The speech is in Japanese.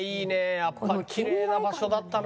やっぱりきれいな場所だったな。